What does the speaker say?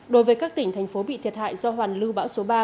đối với các tỉnh thành phố bị thiệt hại do hoàn lưu bão số ba